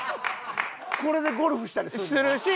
これでゴルフしたりするの？